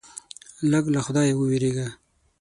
لږ له خدایه ووېرېږه.